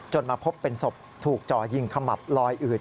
มาพบเป็นศพถูกจ่อยิงขมับลอยอืด